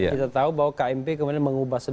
kita tahu bahwa kmp kemudian mengubah